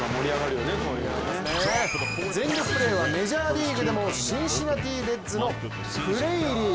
全力プレーはメジャーリーグでもシンシナティ・レッズのフレイリー。